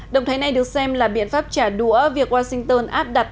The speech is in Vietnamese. động thái này được xem là biện pháp trả đũa việc washington áp đặt